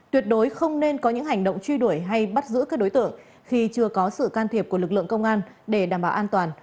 tuyệt đối không nên có những hành động truy đuổi hay bắt giữ các đối tượng khi chưa có sự can thiệp của lực lượng công an để đảm bảo an toàn